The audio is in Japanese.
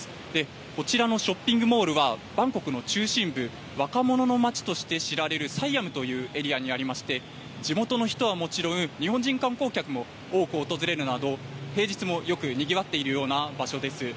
こちらのショッピングモールはバンコクの中心部若者の街として知られるサイアムというエリアにありまして地元の人はもちろん日本人観光客も多く訪れるなど平日もよくにぎわっているような場所です。